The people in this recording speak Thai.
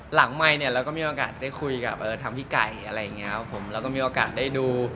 หลังไมค์เราก็มีโอกาสได้คุยทางพี่ก๋าย